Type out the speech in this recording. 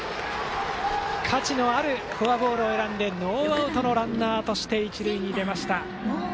価値のあるフォアボールを選んでノーアウトのランナーとして一塁に出ました。